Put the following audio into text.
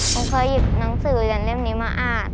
ผมเคยหยิบหนังสือยันเล่มนี้มาอ่าน